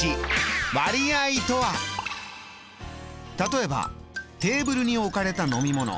例えばテーブルに置かれた飲み物。